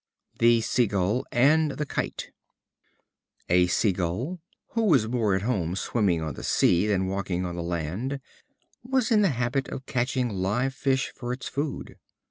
The Sea gull and the Kite. A Sea gull, who was more at home swimming on the sea than walking on the land, was in the habit of catching live fish for its food.